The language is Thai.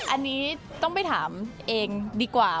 อันนี้ต้องไปถามเองดีกว่า